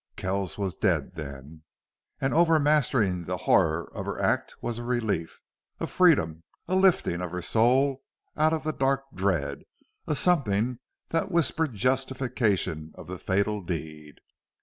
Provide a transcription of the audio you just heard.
Kells was dead, then. And overmastering the horror of her act was a relief, a freedom, a lifting of her soul out of the dark dread, a something that whispered justification of the fatal deed.